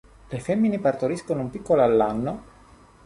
Le femmine partoriscono un piccolo all'anno.